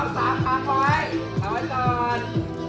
เป็นอาหาร